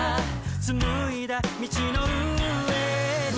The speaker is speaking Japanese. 「紡いだ道の上に」